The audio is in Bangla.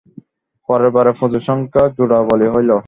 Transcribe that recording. পরবারের পূজার সংখ্যায় জোড়া বলি হইল।